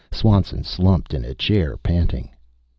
Swanson slumped in a chair, panting.